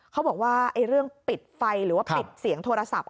เขาบอกว่าเรื่องปิดไฟหรือว่าปิดเสียงโทรศัพท์